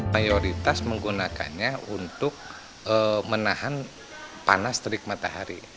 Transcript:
mayoritas menggunakannya untuk menahan panas terik matahari